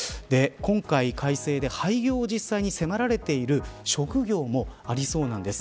今回、改正で廃業を実際に迫られている職業もありそうなんです。